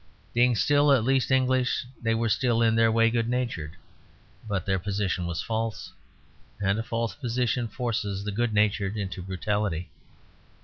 Being still at least English, they were still in their way good natured; but their position was false, and a false position forces the good natured into brutality.